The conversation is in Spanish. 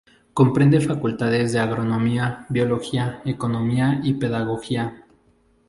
Comprende facultades de Agronomía, Biología, Economía y Pedagogía.